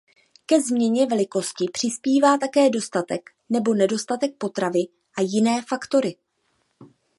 Ke změně velikosti přispívá také dostatek nebo nedostatek potravy a jiné faktory.